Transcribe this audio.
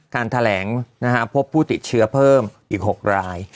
การแถลงพบผู้ติดเชื้อเพิ่มอีก๖ราย